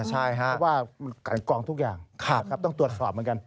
เพราะว่าการกองทุกอย่างต้องตรวจสอบเหมือนกัน